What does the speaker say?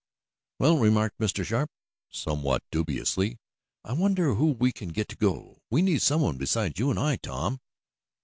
"Well," remarked Mr. Sharp, somewhat dubiously, "I wonder who we can get to go? We need someone besides you and I, Tom."